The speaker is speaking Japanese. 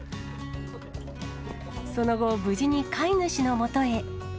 その後、無事に飼い主のもとへ。